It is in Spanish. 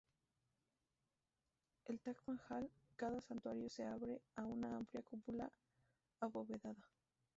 En el Taj Mahal, cada santuario se abre a una amplia cúpula abovedada.